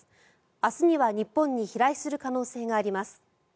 明日には、日本に飛来する可能性があります。